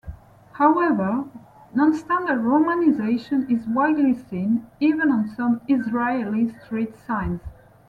However, non-standard romanization is widely seen, even on some Israeli street signs.